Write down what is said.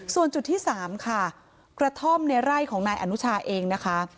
ส่วนจุดที่๓ค่ะกระท่อมในไร่ของนายอนุชาเองนะคะ